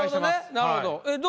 なるほど。